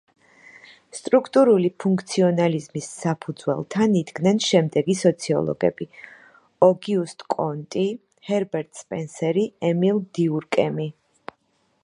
სტრუქტურული ფუნქციონალიზმის საფუძველთან იდგნენ შემდეგი სოციოლოგები: ოგიუსტ კონტი, ჰერბერტ სპენსერი, ემილ დიურკემი.